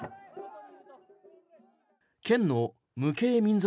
県の無形民俗